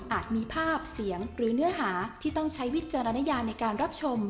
มีภาพเสียงหรือเนื้อหาที่ต้องใช้วิจารณญาในการรับชม